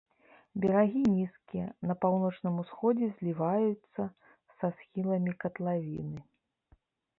Берагі нізкія, на паўночным усходзе зліваюцца са схіламі катлавіны.